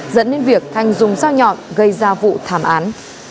dẫn đến việc thành dùng sao nhọn gây ra vụ thảm án